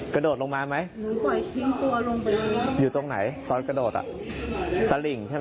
กระโดดลงมาไหมอยู่ตรงไหนตอนกระโดดอ่ะตะหลิงใช่ไหม